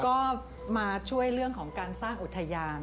ก็มาช่วยเรื่องของการสร้างอุทยาน